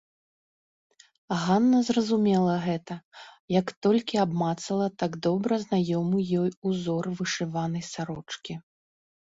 Ганна зразумела гэта, як толькі абмацала так добра знаёмы ёй узор вышыванай сарочкі.